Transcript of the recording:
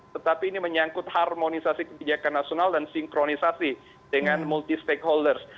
tetapi ini menyangkut harmonisasi kebijakan nasional dan sinkronisasi dengan multi stakeholders